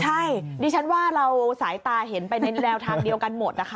ใช่ดิฉันว่าเราสายตาเห็นไปในแนวทางเดียวกันหมดนะคะ